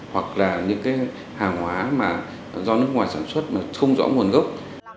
hoặc là những hàng hóa do nước ngoài sản xuất mà không rõ nguồn gốc